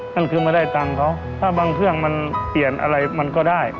นั่นคือไม่ได้ตังค์เขาถ้าบางเครื่องมันเปลี่ยนอะไรมันก็ได้